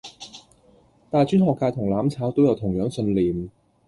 大專學界同攬炒都有同樣信念